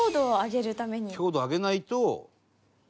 強度を上げないと。